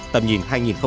tầm nhìn hai nghìn ba mươi